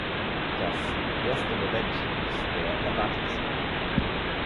Das "erste Moment" ist der Erwartungswert.